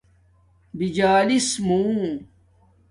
بجالس مُو